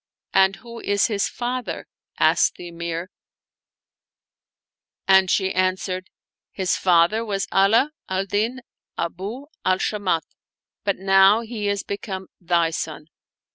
" And who is his father ?" asked the Emir ; and she answered, " His father was Afe al Din Abu al Shamat, but now he is become thy son."